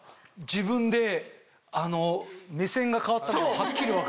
自分で目線が変わったのがはっきり分かる。